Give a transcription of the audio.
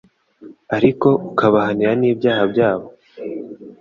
ariko ukabahanira n’ibyaha byabo